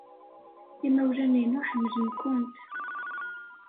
Imawlan-inu ḥemmlen-kent.